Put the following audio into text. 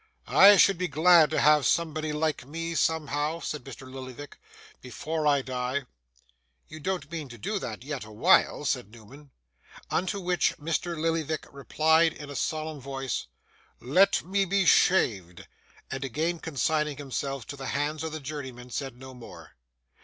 'I should be glad to have somebody like me, somehow,' said Mr. Lillyvick, 'before I die.' 'You don't mean to do that, yet awhile?' said Newman. Unto which Mr. Lillyvick replied in a solemn voice, 'Let me be shaved!' and again consigning himself to the hands of the journeyman, said no more.